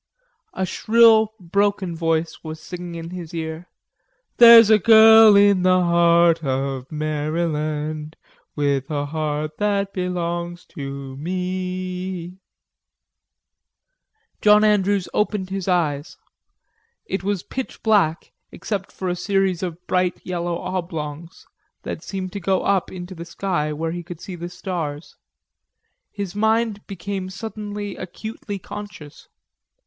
A shrill broken voice was singing in his ear: "There's a girl in the heart of Maryland With a heart that belongs to me e." John Andrews opened his eyes. It was pitch black, except for a series of bright yellow oblongs that seemed to go up into the sky, where he could see the stars. His mind became suddenly acutely conscious.